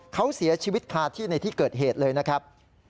เขาเสียชีวิตคาที่ในที่เกิดเหตุเลยนะครับ